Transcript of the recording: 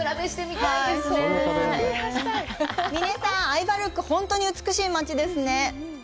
みねさん、アイヴァルック、本当に美しい街ですね。